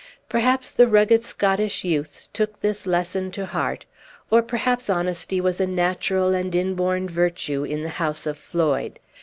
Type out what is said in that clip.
Perhaps the rugged Scottish youths took this lesson to heart, or perhaps honesty was a natural and inborn virtue in the house of Floyd.